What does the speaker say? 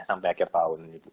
sampai akhir tahun